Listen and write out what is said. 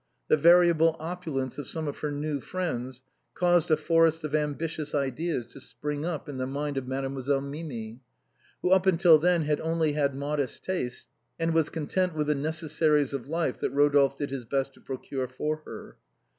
The variable opulence of some of her new friends caused a forest of ambitious ideas to spring up in the mind of Mademoiselle Mimi, who up till then had only had modest tastes, and was content with the necessaries of life that Eodolphe did his best to procure for her.